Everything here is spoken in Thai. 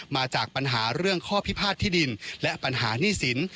มาจากปัญหาเรื่องข้อพิพาทที่ดินและปัญหาหนี้สิน